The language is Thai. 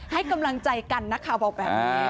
ให้กำลังใจกันนักข่าวบอกแบบนี้